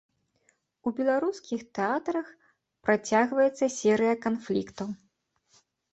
У беларускіх тэатрах працягваецца серыя канфліктаў.